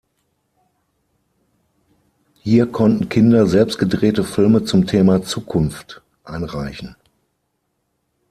Hier konnten Kinder selbst gedrehte Filme zum Thema Zukunft einreichen.